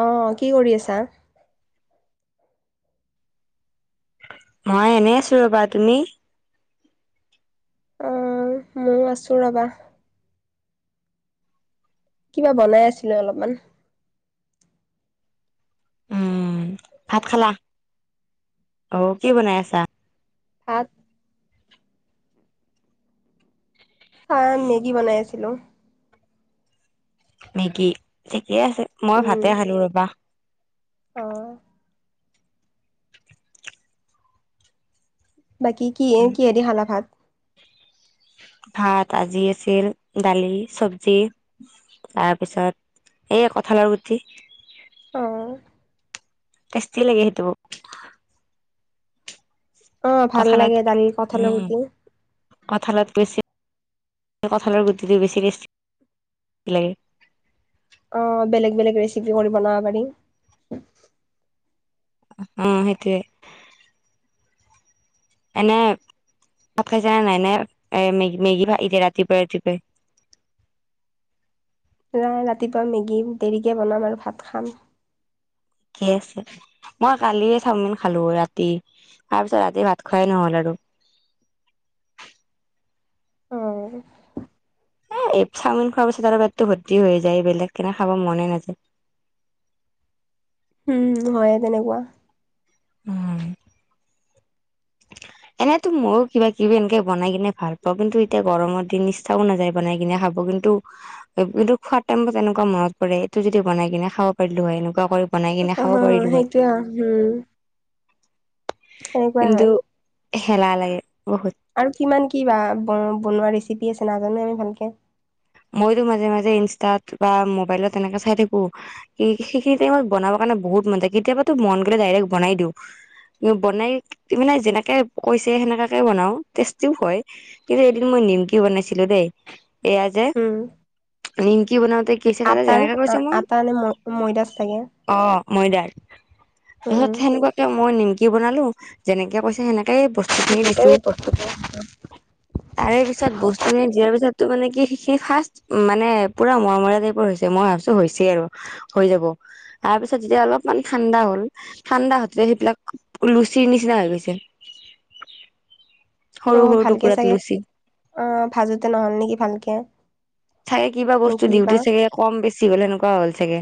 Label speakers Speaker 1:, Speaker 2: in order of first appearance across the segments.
Speaker 1: অ কি কৰি আছা?
Speaker 2: মই এনেই আছো ৰবা তুমি?
Speaker 1: ময় আছো ৰবা কিবা বনাই আছিলো অলপমান
Speaker 2: উম ভাত খালা অ কি বনাই আছা?
Speaker 1: হাত খ মেগী বনাই আছিলো
Speaker 2: মেগী ঠিকে আছে মই ভাতে খালো ৰবা
Speaker 1: অঁ। বাকী কি কিহেৰে দি খালা ভাত?
Speaker 2: ভাত আজি আছিল দালি চবজি- তাৰপিছত এই কঁঠালৰ গুটি।
Speaker 1: অঁ।
Speaker 2: তেষ্টি লাগে সেইটো।
Speaker 1: অ ভাল
Speaker 2: কঁঠালত,
Speaker 1: লাগে দালি কঠালৰ
Speaker 2: উমঁ।
Speaker 1: গুটি
Speaker 2: কঁঠালতকৈ [unintelligible] কঁঠালৰ গুটিটোহে বেছি টেষ্টি লাগে।
Speaker 1: অঁ' বেলেগ বেলেগ ৰেচিপি কৰি বনাব পাৰি।
Speaker 2: উমঁ' সেইটোৱেই। এনে ভাত খাইছা নে নাই, নে এ মেগ মেগী এতিয়া ৰাতিপুৱাই ৰাতিপুৱাই।
Speaker 1: নাই ৰাতিপুৱা মেগী দেৰিকে বনাম আৰু ভাত খাম।
Speaker 2: ঠিকে আছে, মই কালিয়ে চাওমিন খালো ৰাতি তাৰপিছত ৰাতি ভাত খোৱাই নহ'ল আৰু।
Speaker 1: অঁ।
Speaker 2: এই চাওমিন খোৱাৰ পিছত আৰু পেতটো ভৰ্তি হৈ যায় বেলেগ কেনে খাব মনে নাযায়।
Speaker 1: উমঁ' হয় তেনেকুৱা।
Speaker 2: উমঁ। এনেতো মইয়ো কিবা কিবি এনেকে বনাই কিনে ভাল পাওঁ কিন্তু এতিয়া গৰমৰ দিন ইচ্ছাও নাযায় বনাই কিনে খাব। কিন্তু কিন্তু খোৱাৰ টাইমত এনেকুৱা মনত পৰে এইটো যদি বনাই কিনে খাব পাৰিলো হয়। এনেকুৱা কৈ
Speaker 1: অঁ' হ, সেইটোয়ে উমঁ। সেনেকুৱা
Speaker 2: কিন্তু
Speaker 1: হয়।
Speaker 2: হেলা লাগে বহুত।
Speaker 1: আৰু কিমান কি বা বনোৱা ৰেচিপি আছে নাজানো আমি ভালকে।
Speaker 2: মইতো মাজে মাজে ইনষ্টাত বা মোবাইলত এনেকে চাই থাকো। সেইখিনি টাইমত বনাব কাৰণে বহুত মন যায়। কেতিয়াবাতো মন গ'লে ডাইৰেক্ বনাই দিওঁ। বনাই মানে যেনেকে কৈছে সেনেকাকে বনাও টেষ্টিও হয়। কিন্তু এদিন মই নিমকিও বনাইছিলো দেই, এয়া যে-
Speaker 1: উম।
Speaker 2: নিমকি বনাওতে কি হৈছে তাতে
Speaker 1: আটাৰ,
Speaker 2: যেনেকে
Speaker 1: আটা নে মৈদাৰ চাগে।
Speaker 2: অঁ' ময়দাৰ,
Speaker 1: উম,
Speaker 2: পিছত সেনেকুৱাকে মই নিম- -কি বনালো যেনেকে কৈছে সেনেকে বস্তু খিনি দিছো।
Speaker 1: সেনেকেই বস্তুটো
Speaker 2: তাৰে পিছত বস্তু খিনি দিয়াৰ পিছতটো মানে কি সি ফাষ্ট মানে পুৰা মৰমৰাই টাইপৰ হৈছে, মই ভাবিছো হৈছেই আৰু হৈ যাব। তাৰপিছত যেতিয়া অলপমান ঠাণ্ডা হ'ল ঠাণ্ডা হৈতে সেইবিলাক লুচিৰ নিচিনা হৈ গৈছে।
Speaker 1: [unintelligible]
Speaker 2: সৰু
Speaker 1: অঁ'
Speaker 2: সৰু
Speaker 1: ভালকে
Speaker 2: টুকুৰাত
Speaker 1: চাগে
Speaker 2: লুচি
Speaker 1: অঁ' ভাজোতে নহ'ল নেকি ভালকে।
Speaker 2: চাগে কিবা
Speaker 1: নে
Speaker 2: বস্তু
Speaker 1: কি বা
Speaker 2: দিওঁতে চাগে কম বেছি হ'লে এনেকুৱা হ'ল চাগে।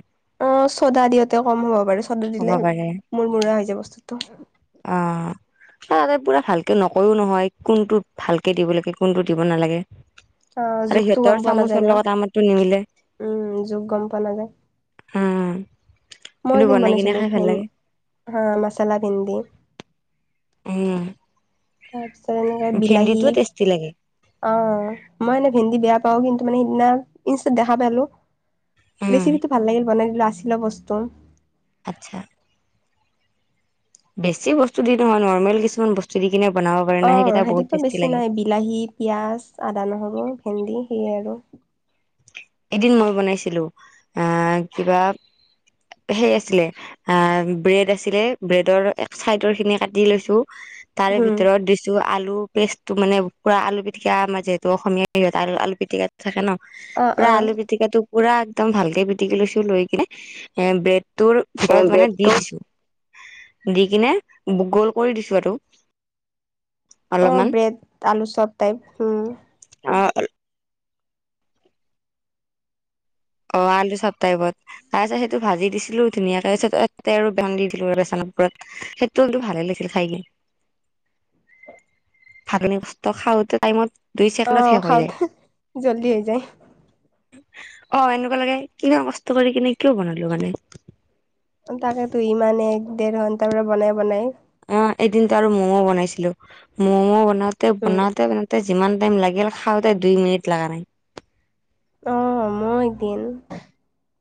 Speaker 1: অঁ' চ'দা দিওঁতে কম হ'ব পাৰে, চ'দা
Speaker 2: হ'ব
Speaker 1: দিলে
Speaker 2: পাৰে
Speaker 1: মূৰ- মূৰা হৈ যায় বস্তুটো।
Speaker 2: আহ'। তাতে পুৰা ভালকে নকৰো নহয় কোনটো ভালকে দিব লাগে কোনটো দিব নালাগে।
Speaker 1: অঁ' জোখতো গম পোৱা নাযায় ন'।
Speaker 2: আমাৰতু নিমিলে।
Speaker 1: উমঁ' জোখ গম পোৱা নাযায়,
Speaker 2: উম
Speaker 1: মই
Speaker 2: কিন্তু
Speaker 1: এদিন
Speaker 2: বনাই কিনে
Speaker 1: বনাইছিলো
Speaker 2: খাই ভাল
Speaker 1: এ
Speaker 2: লাগে
Speaker 1: হা মছালা ভিন্দি।
Speaker 2: উম।
Speaker 1: তাৰপিছত এনেকে বিলাহী।
Speaker 2: ভেন্দিটোও টেষ্টি লাগে
Speaker 1: অ মই এনে ভেন্দি বেয়া পাও কিন্তু মানে সিদিনা ইনষ্টাত দেখা পালো।
Speaker 2: উম
Speaker 1: ৰেচিপি টো ভাল লাগিল বনাই দিলো আছিলা বস্তু।
Speaker 2: আচ্ছা। বেছি বস্তু দি নহয় নৰ্মেল কিছুমান বস্তু দি কিনে বনাব পাৰে নে
Speaker 1: অ',
Speaker 2: সেইকেইটা বহুত
Speaker 1: সেইটোতো বেছি
Speaker 2: টেষ্টি লাগে।
Speaker 1: নাই বিলাহী, পিয়াজ, আদা, নহৰু, ভেন্দি সেয়া আৰু।
Speaker 2: এদিন মই বনাইছিলো আহ কিবা সেই আছিলে। আ ব্ৰেড আছিলে ব্ৰেডৰ এক চাইডৰ খিনি কাটি লৈছো তাৰে
Speaker 1: হম
Speaker 2: ভিতৰত দিছ ছো আলুৰ পেষ্টটো মানে পুৰা আলু পিটিকা আমাৰ যিহেতু অসমীয়া হেৰিত আ আলু পিটিকাত থাকে ন?
Speaker 1: অ',
Speaker 2: পুৰা
Speaker 1: অ'।
Speaker 2: আলু পিটিকা টো পুৰা একদম ভালকে পিটিকি লৈছো লৈ কিনে এ ব্ৰেডটোৰ
Speaker 1: এ
Speaker 2: ভিতৰত মানে দি
Speaker 1: ব্ৰেডটো
Speaker 2: দিছো দি কিনে বু গোল কৰি দিছো আৰু।
Speaker 1: অ
Speaker 2: অলপমান
Speaker 1: ব্ৰেড আলু চব টাইপ উম।
Speaker 2: অঁ' আল অঁ' আলু চব টাইপত। খাই চাই সেইটো ভাজি দিছিলো ধুনীয়াকে ততে আৰু ভেন্দি দি দিলো আৰু বেচনৰ ওপৰত সেইো কিন্তটো ভালে লাগিলে খাইকে
Speaker 1: [inaudible]
Speaker 2: ভাতনি বস্তু খাওঁতে টাইমত দুই
Speaker 1: অ
Speaker 2: ছেকেণ্ডত শেষ হৈ যায়
Speaker 1: খাওঁতে জল্দি হৈ যায়।
Speaker 2: অঁ' এনেকুৱা লাগে ইমান কষ্ট কৰি কিনে কিয় বনালো মানে।
Speaker 1: তাকেতো ইমানে এক দেৰ ঘন্টাৰ পৰা বনাই বনাই
Speaker 2: অঁ' এদিনত তাৰ ম'ম বনাইছিলো ম'ম' বনাওতে
Speaker 1: উম,
Speaker 2: বনাওতে মানে। বনাওতে যিমান টাইম লাগিল খাওঁতে দুই মিনিট লাগা নাই।
Speaker 1: অঁ মোৰ একদিন,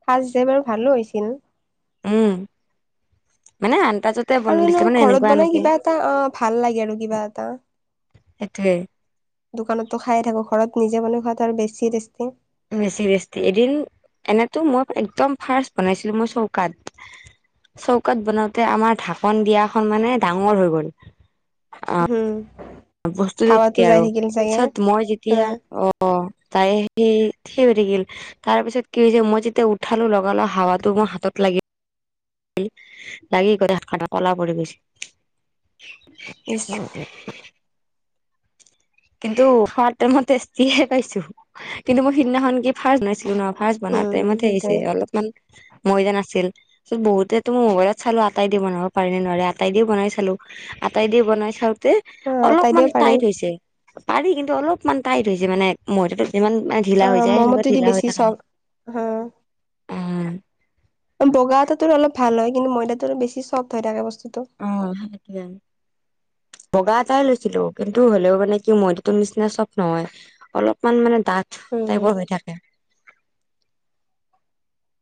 Speaker 1: ফাৰ্ষ্ট যে বাৰু ভালো হৈছিল।
Speaker 2: উম মানে আন্দাজত।
Speaker 1: আৰু এনে ঘৰত বনাই কিবা এটা অঁ' ভাল লাগে আৰু কিবা এটা
Speaker 2: সেইটোৱে।
Speaker 1: দোকানতো খাই থাকো ঘৰত নিজে বান খোৱাতো আৰু বেছি টেষ্টি।
Speaker 2: বেছি বেছি এদিন এনেতো মই একদম ফাৰ্ষ্ট বনাইছিলোঁ, মই চৌকাত চৌকাত বনাওতে আমাৰ ঢাকন দিয়াখন মানে ডাঙৰ হৈ গল।
Speaker 1: উম।
Speaker 2: বস্তুটোতকে আৰু পিছত মই
Speaker 1: হা
Speaker 2: যেতিয়া অঁ' অঁ' তাই সেই থিয় হৈ থাকিল। তাৰ পিছত কি হৈছে মই যেতিয়া উঠালো লগা লগ হাৱাতটো মোৰ হাতত লাগিল। গি লাগি গোটেই হাতখনত কলা পৰি গৈছিল।
Speaker 1: নিশ্চয়।
Speaker 2: কিন্তু খোৱাত টাইমত টেষ্টি পাইছো কিন্তু মই সিদিনাখন কি ফাৰ্ষ্ট বনাইছিলো ন? ফাৰ্ষ্ট বনাওটে
Speaker 1: উম,
Speaker 2: টাইমতহে আহিছে
Speaker 1: সেইটোৱে
Speaker 2: অলপমান মৈদা নাছিল। বহুতে ত মই মোবাইলত চালো আটাই দি বনাব পাৰে নোৱাৰে আটাই দি বনাই চালো। আটাই দি বনাই চাওঁতে
Speaker 1: অ', আটাই
Speaker 2: অলপমান
Speaker 1: দিব পাৰি
Speaker 2: টাইট হৈছে। পাৰি কিন্তু অলপমান টাইট হৈছে মানে মইটো যিমান মানে ঢিলা হৈ
Speaker 1: অঁ'
Speaker 2: যায় সেনেকুৱা
Speaker 1: মমটোদি
Speaker 2: ঢিলা হৈ
Speaker 1: বেছি
Speaker 2: থকা
Speaker 1: চাও
Speaker 2: নাই।
Speaker 1: হা
Speaker 2: উম।
Speaker 1: বগা এটা তো অলপ ভাল হয় কিন্তু ময়দাটো বেছি চফ্ট হয় থাকে বস্তুটো
Speaker 2: অ স কি যানা? বগা এটাই লৈছিলো কিন্তু হ'লেও মানে কি মইদো নিচিনা চব নহয়। অলপমান মানে ডাঠ টাইপৰ হৈ থাকে।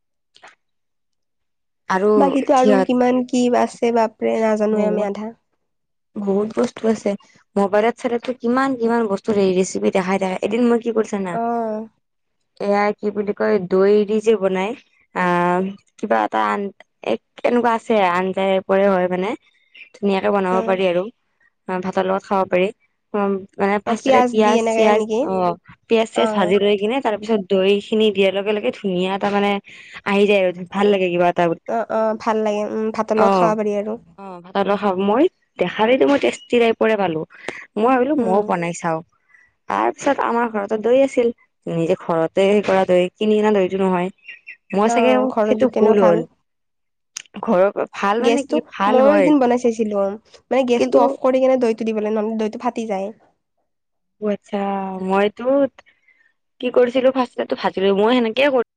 Speaker 2: [inaudible] আৰু
Speaker 1: বাকীো আৰু
Speaker 2: সিহঁত
Speaker 1: কিমান কি আছে বাপৰে নাজানোৱে আমি
Speaker 2: বহুত
Speaker 1: আধা।
Speaker 2: বহুত বস্তু আছে মোবাইলত, চালটো কিমান কিমান বস্তু ৰেচিপি দেখাই দেখাই। এদিন মই কি কৰিছানা
Speaker 1: উম,
Speaker 2: এয়া কি বুলি কয় দৈ, দি যে বনাই অ কিবা এটা আন এক এনেকুৱা আছে আঞ্জাইপৰে হয় মানে ধুনীয়াকে বনাব পাৰি আৰু ভাতৰ লগত খাব পাৰি। অ মানে
Speaker 1: অ,
Speaker 2: ফাৰতে
Speaker 1: দি
Speaker 2: পিয়াজ
Speaker 1: এনেকে
Speaker 2: চিয়াজ
Speaker 1: নেকি?
Speaker 2: অ পিয়াজ
Speaker 1: অ,
Speaker 2: চিয়াজ ভাজি লৈ কিনে তাৰ পিছত দৈ, খিনি দিয়াৰ লগে লগে ধুনীয়া এ তটা মানে আহি যায় আৰু ভাল লাগে কিবা। এটা
Speaker 1: অ অ ভাল, লাগে উম ভাতৰ লগত
Speaker 2: অ
Speaker 1: খাব পাৰি আৰু
Speaker 2: অ ভাত লগ খাওঁ মই দেখালো মই টেষ্টি টাইপৰে পালো মই ভাবিলো
Speaker 1: উম,
Speaker 2: মইয়ও বনাই চাওঁ। তাৰপিছত আমাৰ ঘৰতেো দৈ, আছিল। নিজে ঘৰতে হেই কৰা ধৈ কিনি কিনা ধৈতো নহয়। মোৰ
Speaker 1: অ,
Speaker 2: চাগে
Speaker 1: ঘৰত
Speaker 2: সেইটো
Speaker 1: তেনেও
Speaker 2: ভুল
Speaker 1: ভাল
Speaker 2: হ'ল। ঘৰৰ ভাল মানে
Speaker 1: গেছটো
Speaker 2: কি ভাল
Speaker 1: ময়ো
Speaker 2: হয়।
Speaker 1: একদিন বনাই চাইছিলো মানে
Speaker 2: কিন্তু
Speaker 1: গেছটো অফ কৰি কিনে দৈটো দিবলৈ নহ'লে দৈটো ফাটি যায়।
Speaker 2: অ আচ্ছা মইতো কি কৰিছিলো ফাষ্ট ভাজিলো মই সেনেকে কৰি।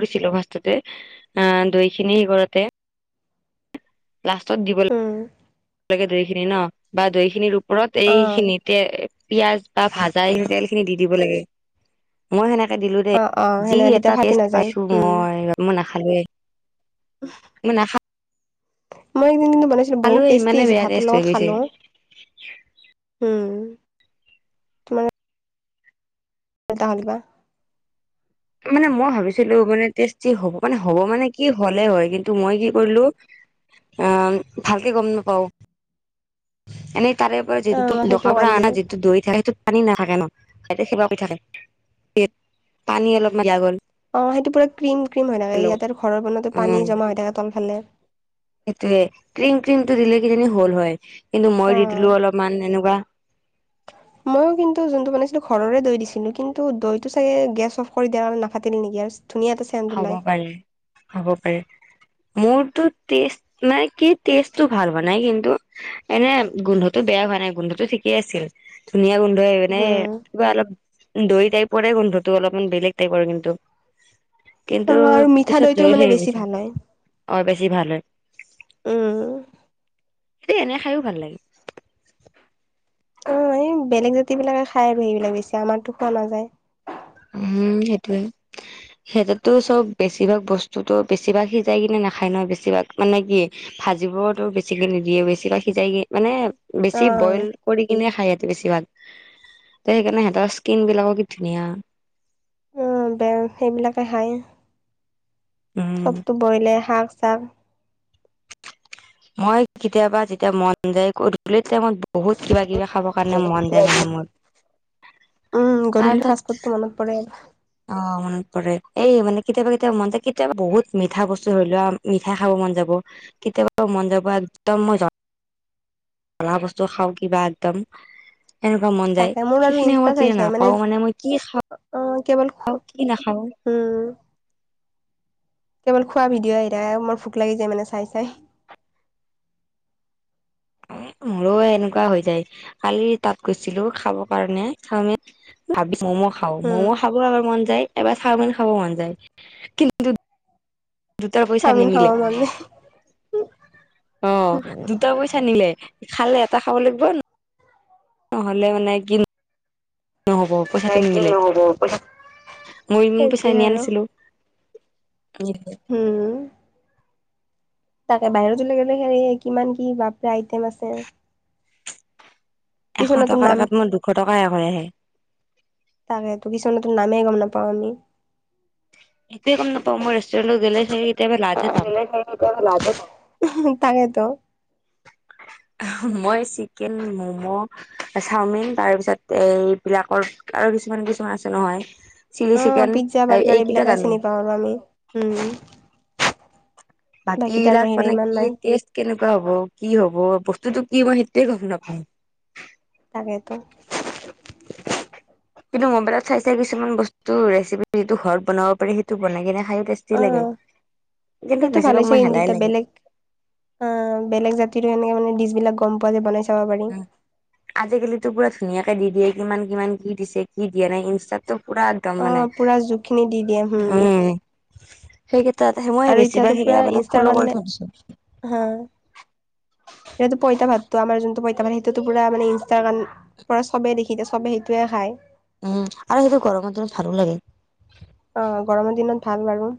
Speaker 2: কৰিছিলো ফাষ্টতে অ দৈ খিনি সি ঘৰতে লাষ্টত দিব ল
Speaker 1: উম,
Speaker 2: লাগে দৈ, খিনি ন বা দৈ, খিনিৰ ওপৰত
Speaker 1: অ,
Speaker 2: এইখিনিত পিয়াজ বা ভাজা এই তেল খিনি দি দিব লাগে মই সেনেকে দিলো দেই
Speaker 1: অ, অ,
Speaker 2: যি
Speaker 1: সেনেকে
Speaker 2: এটা
Speaker 1: তেতিয়া ফাটি
Speaker 2: তেষ্ট
Speaker 1: নাযায়
Speaker 2: পাইছো
Speaker 1: উম,
Speaker 2: মই মই নাখালে মই নাখ।
Speaker 1: মই কিন্তু বনাইছিলো বহুত
Speaker 2: নাখালোৱে
Speaker 1: টেষ্টি
Speaker 2: ইমানে
Speaker 1: হৈছে
Speaker 2: বেয়া
Speaker 1: ভাতৰ
Speaker 2: টেষ্ট হৈ
Speaker 1: লগত
Speaker 2: গৈছে
Speaker 1: খালো। উম এটা হ'ল বা।
Speaker 2: মানে মই ভাবিছিলো মানে টেষ্টি হ'ব মানে হ'ব মানে কি হ'লেই হয় কিন্তু মই কি কৰিলো। আহ ভালকৈ গম নাপাওঁ। এনেই তাৰে পৰা যিটো
Speaker 1: অ' সেইটো
Speaker 2: দোকান পৰা
Speaker 1: কাৰণে
Speaker 2: অনা যিটো দৈ, থাক সটো। পানী নাথাকে ন সতে সেৱা কৰি থাকে পানী অলপ ম দিয়া গ'ল।
Speaker 1: অ সেইটো পুৰা ক্ৰ্ৰীম, -ক্ৰ্ৰীম হৈ থাকে
Speaker 2: লগত
Speaker 1: ইয়াতে ঘৰৰ বনো
Speaker 2: উম
Speaker 1: পানী জমা হৈ থাকে তলফালে।
Speaker 2: সেইটোয়ে ক্ৰীম ক্ৰীমটো দিলে কিজানি হল হয় কিন্তু মই দি
Speaker 1: অ'
Speaker 2: দিলো অলপমান এনেকুৱা
Speaker 1: মইও কিন্তু কিন্তু যোনটো বনাইছিলো ঘৰৰে দৈ, দিছিলো কিন্তু দৈটো চাগে গেছ অফ কৰি দিয়াৰ কাৰেণে নাফাতিল নেকি ধুনীয়া এটা চেন্ট-
Speaker 2: হ'ব পাৰে হ'ব পাৰে। মোৰতো তেষ্ট মানে কি তেষ্টটো ভাল হোৱা নাই কিন্তু- এনে গোন্ধটো বেয়া হোৱা নাই গোন্ধটো ঠিকেই আছিল ধুনীয়া গোন্ধই মানে
Speaker 1: উম
Speaker 2: কিবা অলপ দৈ, টাইপৰে গোন্ধটো অলপমান বেলেগ টাইপৰ কিন্তু। কিন্তু
Speaker 1: অ' আৰু মিঠা
Speaker 2: পিছত
Speaker 1: দৈটোৰ
Speaker 2: দৈ
Speaker 1: মানে
Speaker 2: হেৰি
Speaker 1: বেছি
Speaker 2: হৈছে
Speaker 1: ভাল হয়
Speaker 2: অ বেছি ভাল হয়।
Speaker 1: উম
Speaker 2: এ এনে খায়ো ভাল লাগে।
Speaker 1: অ এই বেলেগ জাতি বিলাকে খাই আৰু সেইবিলাক বেছি আমাৰতো খোৱা নাযায়।
Speaker 2: উম সেইটোয়ে সিহঁতেতো চব বেছিভাগ বস্তুটো বেছিভাগ সিজাই কিনে নাখায় ন বেছিভাগ মানে কি ভাজিবতো বেছিকে নিদিয়ে বেছি বা সিজাইগ মানে বেছি বইল।
Speaker 1: অ'
Speaker 2: কৰি কিনে খাই সিহঁতে বেছি ভাগ ত সেইকাৰণে সিহঁতৰ স্কিন বিলাক কি ধুনীয়া
Speaker 1: উম সেতে সেইবিলাকে খায়
Speaker 2: উম
Speaker 1: চবটো বইলে শাক চাক
Speaker 2: মই কেতিয়াবা যেতিয়া মন যায় কৰি আবেলি টাইমত বহুত কিবা কিবি খাবৰ কাৰণে মন যায় মানে মোৰ
Speaker 1: উম গধূলি
Speaker 2: তাৰপিছত
Speaker 1: ফাষ্ট ফুডটো মনত পৰে
Speaker 2: অ মনত পৰে এই মানে কেতিয়াবা কেতিয়াবা মন যায় কেতিয়াবা বহুত মিঠা বস্তু ধৰি লোৱা মিঠাই খাব মন যাব। কেতিয়াবা মন যাব একদম মই জ্বলা বস্তু খাওঁ কিবা একদম এনেকুৱা মন যায়
Speaker 1: তাকে মোৰ আৰু
Speaker 2: সেইখিনি
Speaker 1: ইনষ্টা
Speaker 2: সময়ত
Speaker 1: চাই
Speaker 2: তেতিয়া
Speaker 1: চাই
Speaker 2: নাপাও মানে মই কি খাওঁ
Speaker 1: অ কেৱল
Speaker 2: অ কি নাখাওঁ
Speaker 1: উম কেৱল খোৱা ভিডিঅ' আহি থাকে মোৰ ভোক লাগি যায় মানে চাই চাই
Speaker 2: মোৰো এনেকুৱা হৈ যায় কালি তাত গৈছিলো খাব কাৰণে চাওমিন ভাবিছো ম'ম খাওঁ
Speaker 1: উম
Speaker 2: ম'ম খাব আৰ মন যায় এবাৰ চাওমীন খাব মন যায় কিন্তু দুটা পইচা
Speaker 1: চাওমিন খাব
Speaker 2: নিমিলে
Speaker 1: মন যায়।
Speaker 2: অ দুটা পইচা নিমিলে খালে এটা খাব লাগিব নহ'লে মানে কিন নহ'ব পইচাটো নিমিলে মই ইমান পইচা
Speaker 1: সেইটোয়ে
Speaker 2: নিয়া
Speaker 1: আৰু
Speaker 2: নাছিলো আনি দিলে
Speaker 1: উম তাকে বাহিৰলে গ'লে হেৰি কিমান কি বাপৰে আইটিয়েম আছে
Speaker 2: এশ
Speaker 1: কিছুমানতো
Speaker 2: টকাৰ
Speaker 1: নাম
Speaker 2: জেগাত মোৰ দুশ টকা শেষ হৈ আহে
Speaker 1: তাকে তো কিছুমানতো নামেই গম নাপাওঁ আমি
Speaker 2: একোৱে গম নাপাও মই ৰেষ্টুৰেটত গ'লে চাগে কেতিয়াবা লাজে পাম
Speaker 1: [unintelligible] হু হু তাকেতো
Speaker 2: আহ হা মই চিকেন মম' চাওমিন তাৰ পিছত এইবিলাকৰ আৰু কিছুমান কিছুমান আছে নহয় চিলি
Speaker 1: অ
Speaker 2: চিকেন
Speaker 1: পিজ্জা বাৰ্গাৰ
Speaker 2: এইকেইটা
Speaker 1: এইবিলাকে
Speaker 2: জানো
Speaker 1: চিনি পাওঁ আমি উম
Speaker 2: বাকী
Speaker 1: তাৰ
Speaker 2: এইবিলাক
Speaker 1: বাহিৰে
Speaker 2: মানে
Speaker 1: ইমান নাই
Speaker 2: [unintelligible] কেনেকুৱা হ'ব কি হ'ব বস্তুটো কি মই সেইটোৱে গম নাপাওঁ
Speaker 1: তাকেতো
Speaker 2: কিন্তু মোবাইলত চাই চাই কিছুমান বস্তু ৰেচিপি যিটো ঘৰত বনাব পাৰে সেইটো বনাই কিনে খায় পাইছো টেষ্টি
Speaker 1: অ
Speaker 2: লাগে কিন্তু
Speaker 1: সেইটো
Speaker 2: বেছি
Speaker 1: ভাল হৈছে হিন্দীটা বেলেগ অ বেলেগ জাতিৰো এনেকে মানে ডিছ বিলাক গম পোৱা যে বনাইছে যাব পাৰি
Speaker 2: আজিকালিতো পুৰা ধুনীয়াকে দি দিয়ে কিমান কিমান কি দিছে কি দিয়া নাই ইনষ্টাতটো পুৰা একদম
Speaker 1: অ
Speaker 2: মানে
Speaker 1: পুৰা জোখখিনি দি দিয়ে হম
Speaker 2: উম সেইকেইটাতহে মই
Speaker 1: আৰু এতিয়াতো
Speaker 2: বেছিভাগ
Speaker 1: পুৰা
Speaker 2: সেইকেইটা মানে
Speaker 1: ইনষ্টাৰ
Speaker 2: ফ্ল'
Speaker 1: কাৰণে
Speaker 2: কৰি থৈছো
Speaker 1: হা সেইটো পইতা ভাতটো আমাৰ যোনটো পইতা ভাত সেইটোটো পুৰা মানে ইনষ্টাগ্ৰাম পৰা চবে দেখি এতিয়া চবে সেইটোৱে খায়
Speaker 2: উম আৰু সেইটো গৰমত ভালো লাগে
Speaker 1: অ গৰমৰ দিনত ভাল বাৰু।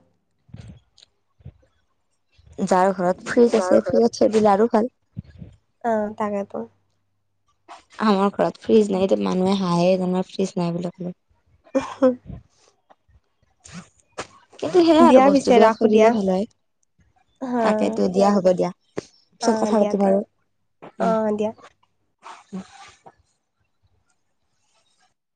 Speaker 2: যাৰ ঘৰত ফ্ৰিজ আছে, ফ্ৰিজত থৈ দিলে আৰু ভাল।
Speaker 1: অ তাকেতো।
Speaker 2: আমাৰ ঘৰত ফ্ৰিজ নাই এতিয়া মানুহে হাহে জান ফ্ৰিজ নাই বুলি ক'লে।
Speaker 1: উহ হু।
Speaker 2: কিন্তু সেয়াই আৰু
Speaker 1: দিয়া পিছে
Speaker 2: বস্তুবিলাক
Speaker 1: ৰাখো
Speaker 2: থৈ
Speaker 1: দিয়া
Speaker 2: দিলে ভাল হয়।
Speaker 1: হা
Speaker 2: তাকেতো দিয়া হ'ব দিয়া
Speaker 1: অ
Speaker 2: পিছত কথা
Speaker 1: দিয়া
Speaker 2: পাতিম
Speaker 1: দে
Speaker 2: আৰু
Speaker 1: অ
Speaker 2: উম।
Speaker 1: দিয়া